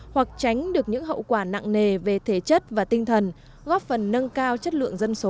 hoặc tránh được những hậu quả nặng nề về thể chất và tinh thần góp phần nâng cao chất lượng dân số